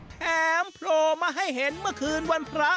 โผล่มาให้เห็นเมื่อคืนวันพระ